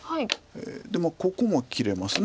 でここも切れます。